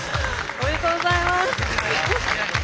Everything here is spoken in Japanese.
ありがとうございます。